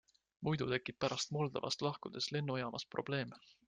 Muidu tekib pärast Moldovast lahkudes lennujaamas probleem.